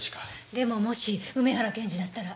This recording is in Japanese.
でももし梅原検事だったら。